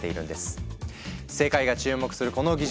世界が注目するこの技術